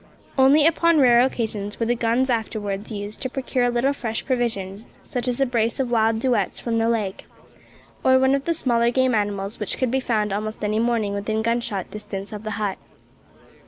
Only upon rare occasions were the guns afterwards used to procure a little fresh provision such as a brace of wild duets from the lake, or one of the smaller game animals which could be found almost any morning within gunshot distance of the hut.